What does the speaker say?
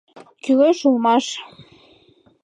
— Кӱлеш улмаш.